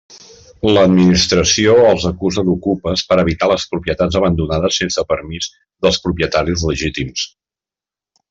L'administració els acusa d'okupes per habitar les propietats abandonades sense permís dels propietaris legítims.